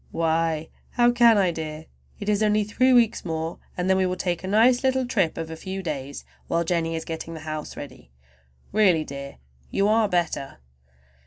"Why, how can I, dear? It is only three weeks more and then we will take a nice little trip of a few days while Jennie is getting the house ready. Really, dear, you are better!"